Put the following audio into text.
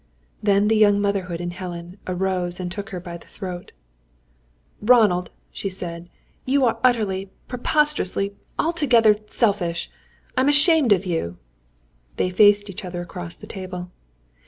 Then the young motherhood in Helen, arose and took her by the throat. "Ronald!" she said. "You are utterly, preposterously, altogether, selfish! I am ashamed of you!" They faced each other across the table.